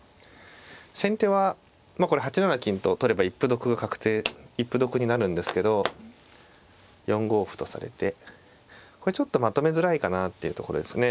先手はまあこれ８七金と取れば一歩得が確定一歩得になるんですけど４五歩とされてこれちょっとまとめづらいかなっていうところですね。